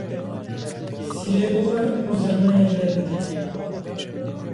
Sîrê bixwe û zirneyê lê bide